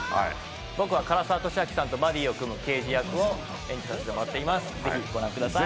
僕は唐沢寿明さんとバディを組む刑事役を演じさせてもらっています。ぜひご覧ください。